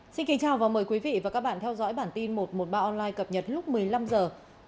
xin kính chào và mời quý vị và các bạn theo dõi bản tin một trăm một mươi ba online cập nhật lúc một mươi năm h